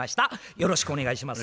よろしくお願いします。